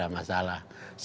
jangan dengan pak sby